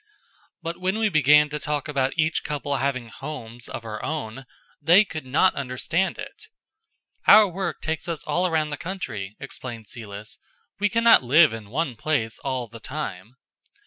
But when we began to talk about each couple having "homes" of our own, they could not understand it. "Our work takes us all around the country," explained Celis. "We cannot live in one place all the time."